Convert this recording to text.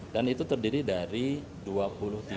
dan itu terdiri dari dua puluh tiga komponen